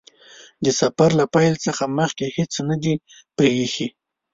د سفر له پیل څخه مخکې هیڅ نه دي پرې ايښي.